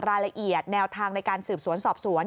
รายละเอียดแนวทางในการสืบสวนสอบสวน